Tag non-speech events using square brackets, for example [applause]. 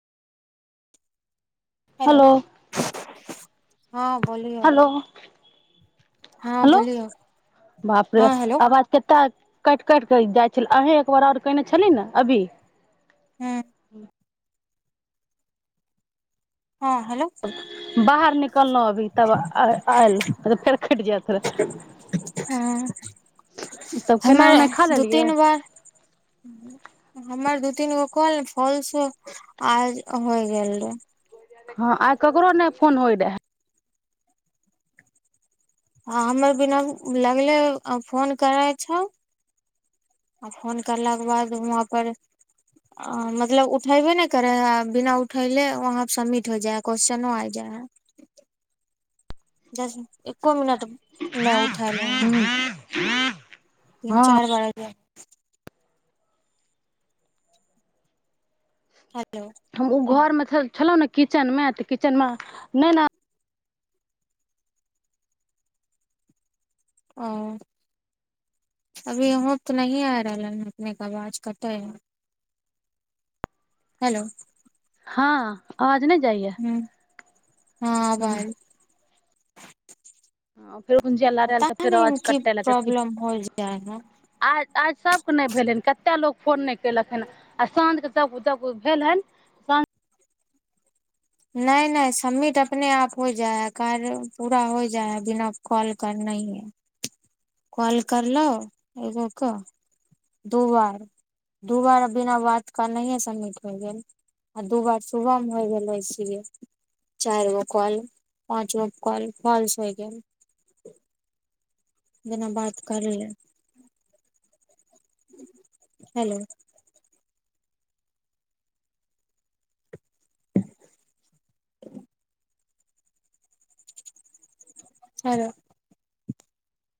hello हँ बोलियो hello hello बापरे हँ हेलो आवाज कतेक कट कट कर जाइ छल अही एक बार आर कने छली ने अभी ह हँ हेलो बाहर निकललहुँ अभी तब आयल तऽ फेर कटि जायत ह तब खेनाइ हमर उनाइ खा दू लेलियै तीन बार हमर दू तीन गो काल फॉल्स आज होइ गेल रह हँ आइ ककरो नहि फोन होय रहए हँ हमर बिना लगले फोन करै छौ आ फोन करलाके बाद वहाँ पर मतलब उठैबो नहि करे है बिना उठैले वहां सबमिट हो जाइ है क्वेश्चनो आ जाय है दस एको मिनट नहि उठायलौं ह [inaudible] तीन हँ चार बार आइजा [inaudible] हेलो हम ओइ घरमे छलहुँ ने किचेनमे तऽ किचेनमे नई ने ओ अभीयो तऽ नहिंये आय रहल ल अपने क आवाज कटैहय हलो हँ आवाज नई हूं हँ आब आयल फेर उंजिया लारल पता तऽ फेर नहि आाज की कटे लगत प्रॉब्लम हो जाइ है आज आज सभकेँ नहि भेलैन कतेक लोक फोन नहि कयलक हन आ साँझके सभ जब भेल हन साँझ नई नई सबमिट अपने आप होई जाय हैय कार्य पूरा हो जाइ है बिना कॉल करनैहे कॉल करलो एगोक क दू बार दू बार बिना बात करनहीये सबमिट होय गेल आ दू बार सुबहमे होय गेल चारगो काॅल पाँचगो कॉल फॉल्स होइ गेल जेना बात कर ले हेलो हैलो